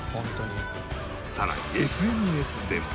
さらに ＳＮＳ でも